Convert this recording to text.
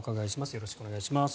よろしくお願いします。